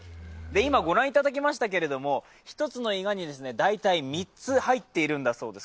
今ご覧いただきましたけど１つのいがに、大体３つ入っているんだそうです。